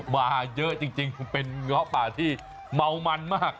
มาเยอะจริงเป็นเงาะป่าที่เมามันมาก